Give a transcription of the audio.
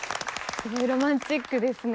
すごいロマンチックですね。